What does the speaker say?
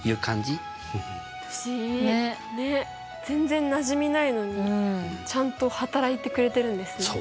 全然なじみないのにちゃんと働いてくれてるんですね。